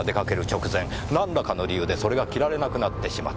直前何らかの理由でそれが着られなくなってしまった。